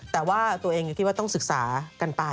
แต่ว่าตัวเองคิดว่าต้องศึกษากันไป